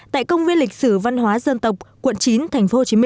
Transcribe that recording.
tại công viên lịch sử văn hóa dân tộc quận chín tp hcm